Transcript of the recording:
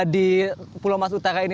di pulau mas utara ini